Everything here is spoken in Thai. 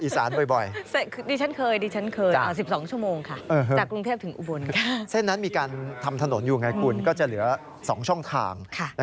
ถ้าทำถนนอยู่ไงคุณก็จะเหลือ๒ช่องทาง